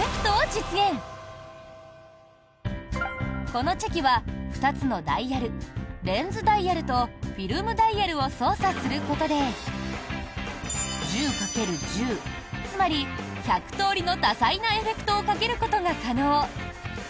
このチェキは２つのダイヤルレンズダイヤルとフィルムダイヤルを操作することで１０掛ける１０つまり１００通りの多彩なエフェクトをかけることが可能。